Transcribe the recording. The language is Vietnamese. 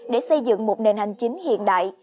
để xây dựng một nền hành chính hiện đại